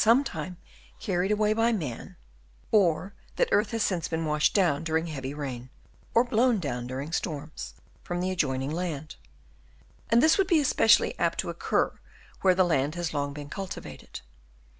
some time carried away by man, or that earth has since been washed down during heavy rain, or blown down during storms, from the adjoining land ; and this would be especially apt to occur where the land has long been cultivated.